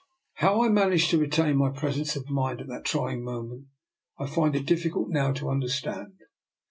How I . man aged to retain my presence of mind at that trying moment, I find it difficult now to understand.